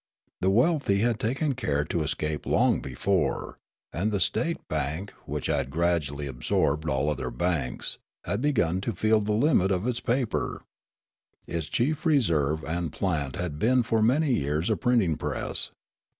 The wealthy had taken care to escape long before ; and the state bank, which had gradually absorbed all other banks, had begun to feel the limit of its paper. Its chief reserve and plant had been for many years a printing press.